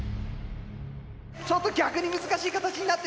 ちょっと逆に難しい形になってしまったか？